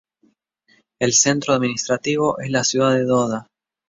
El centro administrativo es la ciudad de Doda.